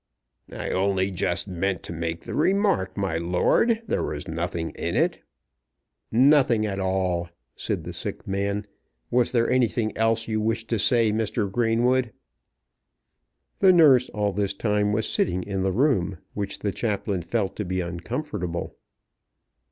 "I only just meant to make the remark, my lord; there was nothing in it." "Nothing at all," said the sick man. "Was there anything else you wished to say, Mr. Greenwood?" The nurse all this time was sitting in the room, which the chaplain felt to be uncomfortable.